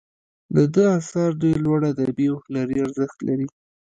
د ده آثار ډیر لوړ ادبي او هنري ارزښت لري.